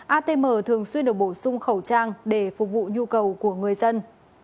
atm thường xuyên được bổ sung khẩu trang để phục vụ nhu cầu của người dân